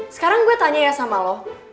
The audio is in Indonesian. sekarang gue tanya ya sama lo